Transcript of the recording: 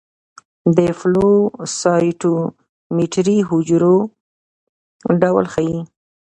د فلو سايټومېټري حجرو ډول ښيي.